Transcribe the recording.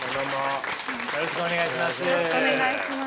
よろしくお願いします。